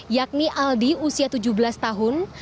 yakni aldi usia tujuh belas tahun